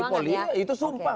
janji poli ya itu sumpah